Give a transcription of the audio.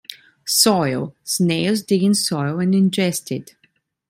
Soil: Snails dig in soil and ingest it.